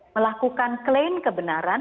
melakukan klaim kebenaran